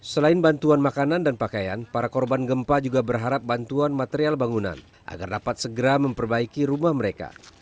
selain bantuan makanan dan pakaian para korban gempa juga berharap bantuan material bangunan agar dapat segera memperbaiki rumah mereka